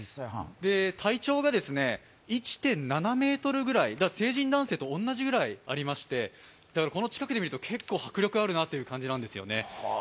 体長が１．７ｍぐらい、成人男性と同じくらいありまして近くで見ると結構迫力あるなという感じなんですね。